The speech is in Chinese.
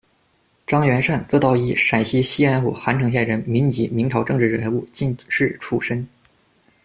张元善，字道一，陕西西安府韩城县人，民籍，明朝政治人物、进士出身。